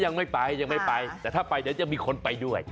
ยังไม่ไปแต่ถ้าไปเดี๋ยวยังมีคนไปด้วย